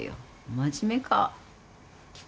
真面目か。